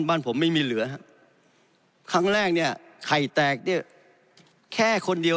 บ้านผมไม่มีเหลือฮะครั้งแรกเนี่ยไข่แตกเนี่ยแค่คนเดียว